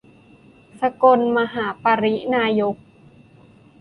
สกลมหาสังฆปริณายก